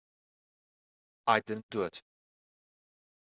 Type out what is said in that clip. I didn't do it.